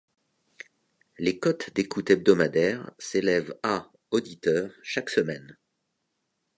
Les cotes d'écoute hebdomadaires s'élèvent à auditeurs chaque semaine.